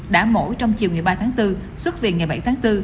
đã mổ trong chiều ngày ba tháng bốn xuất viện ngày bảy tháng bốn